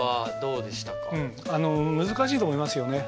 うんあの難しいと思いますよね。